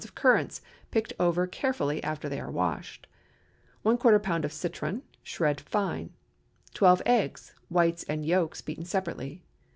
of currants, picked over carefully after they are washed. ¼ lb. of citron, shred fine. 12 eggs, whites and yolks beaten separately.